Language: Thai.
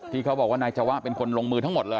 เขาบอกว่านายจวะเป็นคนลงมือทั้งหมดเลย